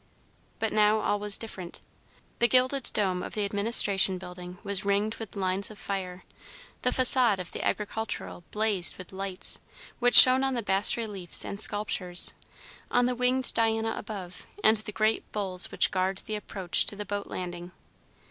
But now all was different. The gilded dome of the Administration Building was ringed with lines of fire. The façade of the Agricultural blazed with lights, which shone on the bas reliefs and sculptures, on the winged Diana above, and the great bulls which guard the approach to the boat landing.